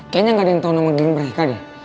kayanya gak ada yang tau namanya geng mereka deh